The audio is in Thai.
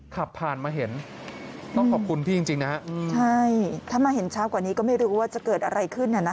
ขับผ่านมาเห็นต้องขอบคุณพี่จริงนะฮะใช่ถ้ามาเห็นเช้ากว่านี้ก็ไม่รู้ว่าจะเกิดอะไรขึ้น